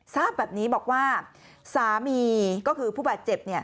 ทราบแบบนี้บอกว่าสามีก็คือผู้บาดเจ็บ